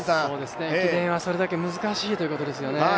駅伝はそれだけ難しいということですよね。